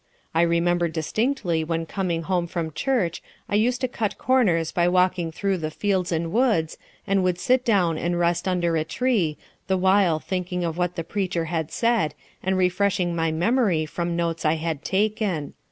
I remember distinctly when coming home from church, I used to cut corners by walking through the fields and woods, and would sit down and rest under a tree, the while thinking of what the preacher had said, and refreshing my memory from notes I had taken.